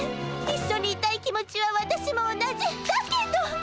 一緒にいたい気持ちは私も同じ。だけどっ！